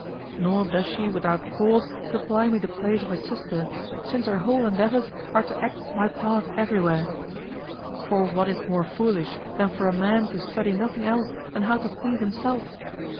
Nor does she without cause supply me the place of a sister, since her whole endeavors are to act my part everywhere. For what is more foolish than for a man to study nothing else than how to please himself?